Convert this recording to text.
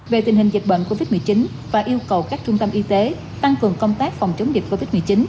về tình hình dịch bệnh covid một mươi chín và yêu cầu các trung tâm y tế tăng cường công tác phòng chống dịch covid một mươi chín